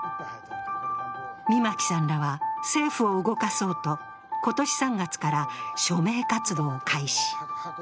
箕牧さんらは政府を動かそうと今年３月から署名活動を開始。